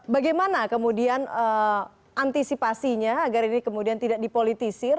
bagaimana kemudian antisipasinya agar ini kemudian tidak dipolitisir